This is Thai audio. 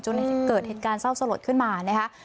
จนเกิดเหตุการณ์เศร้าสลดขึ้นมา